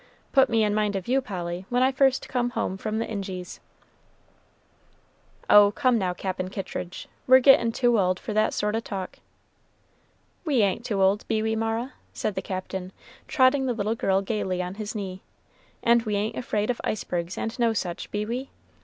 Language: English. Put me in mind of you, Polly, when I first come home from the Injies." "Oh, come now, Cap'n Kittridge! we're gettin' too old for that sort o' talk." "We ain't too old, be we, Mara?" said the Captain, trotting the little girl gayly on his knee; "and we ain't afraid of icebergs and no sich, be we?